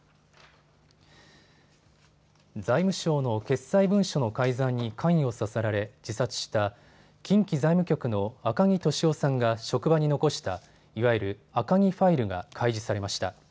財務省の決裁文書の改ざんに関与させられ自殺した近畿財務局の赤木俊夫さんが職場に残したいわゆる、赤木ファイルが開示されました。